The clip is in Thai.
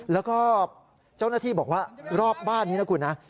แล้วก็เจ้าหน้าที่บอกว่ารอบบ้านนี้นะคุณนะ